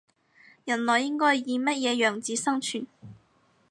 人類應該以乜嘢樣子生存